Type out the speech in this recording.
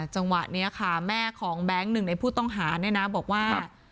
จังหวะนี้ค่ะแม่ของแบงค์หนึ่งในผู้ต้องหาเนี่ยนะบอกว่า